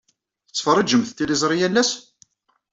Tettferriǧemt tiliẓri yal ass?